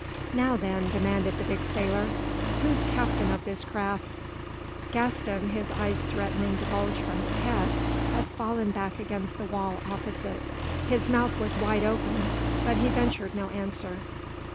"Now, then," demanded the big sailor, "whose captain of this craft?" Gaston, his eyes threatening to bulge from his head, had fallen back against the wall opposite. His mouth was wide open, but he ventured no answer.